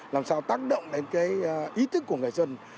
làm sao tác động đến cái ý thức của người dân